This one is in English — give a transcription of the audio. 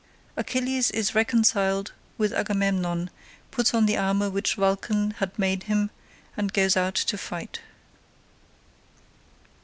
Achilles is reconciled with Agamemnon, puts on the armour which Vulcan had made him, and goes out to fight.